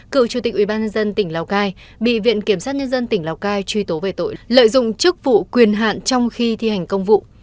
cựu chủ tịch ủy ban nhân dân tỉnh lào cai bị viện kiểm sát nhân dân tỉnh lào cai truy tố về tội lợi dụng chức vụ quyền hạn trong khi thi hành công vụ